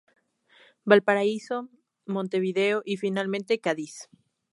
Valparaíso, Montevideo, y finalmente Cádiz.